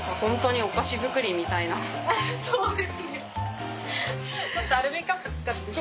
あっそうですね。